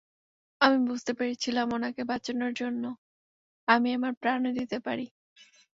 আমি বুঝতে পেরেছিলামওনাকে বাঁচানোর জন্য আমি আমার প্রাণও দিতে পারি।